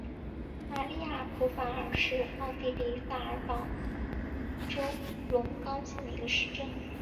玛丽亚普法尔是奥地利萨尔茨堡州隆高县的一个市镇。